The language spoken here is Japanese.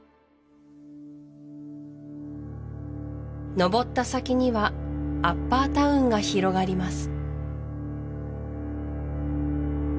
のぼった先にはアッパータウンが広がります